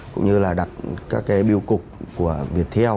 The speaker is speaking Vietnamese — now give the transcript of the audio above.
cũng như là đặt các cái biêu cục của việt theo